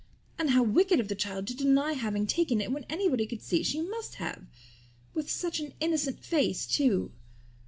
And how wicked of the child to deny having taken it, when anybody could see she must have! With such an innocent face, too!